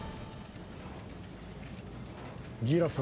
ギラ様。